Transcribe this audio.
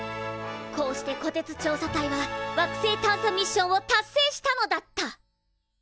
こうしてこてつ調査隊は惑星探査ミッションを達成したのだった！